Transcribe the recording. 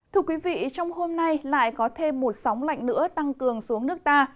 thưa quý vị trong hôm nay lại có thêm một sóng lạnh nữa tăng cường xuống nước ta